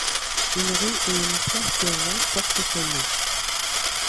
Une rue et une place de Rouen portent son nom.